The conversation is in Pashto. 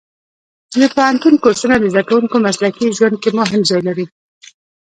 د پوهنتون کورسونه د زده کوونکو مسلکي ژوند کې مهم ځای لري.